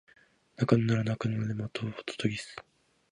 鳴かぬなら鳴くまで待とうホトトギス